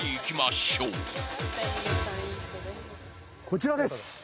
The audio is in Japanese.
こちらです。